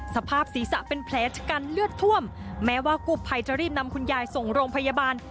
สภาพศีรษะเป็นแผลชะกันเลือดท่วมแม้ว่ากู้ภัยจะรีบนำคุณยายส่งโรงพยาบาล